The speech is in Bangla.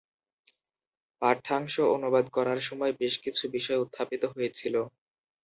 পাঠ্যাংশ অনুবাদ করার সময় বেশ কিছু বিষয় উত্থাপিত হয়েছিল।